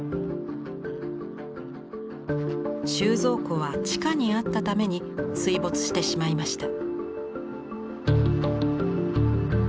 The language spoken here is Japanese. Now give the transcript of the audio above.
収蔵庫は地下にあったために水没してしまいました。